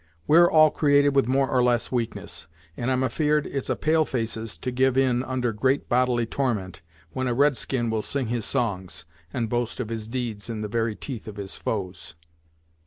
We're all created with more or less weakness, and I'm afeard it's a pale face's to give in under great bodily torment, when a red skin will sing his songs, and boast of his deeds in the very teeth of his foes."